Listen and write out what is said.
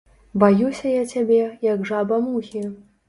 Баюся я цябе, як жаба мухі!